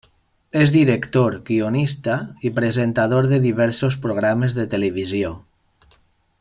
És director, guionista i presentador de diversos programes de televisió.